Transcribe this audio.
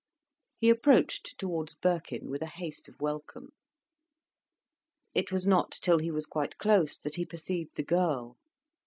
He approached towards Birkin, with a haste of welcome. It was not till he was quite close that he perceived the girl.